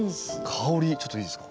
ちょっといいですか？